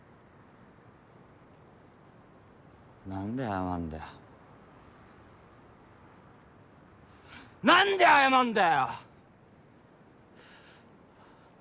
何で謝んだよ。何で謝んだよ！